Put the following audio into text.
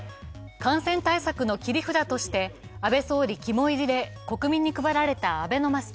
感染対策の切り札として安倍元総理肝煎りで国民に配られたアベノマスク。